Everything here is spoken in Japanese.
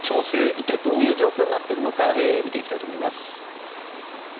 一体どういう状況になっているのか見ていきたいと思います。